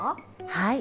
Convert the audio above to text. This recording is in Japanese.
はい。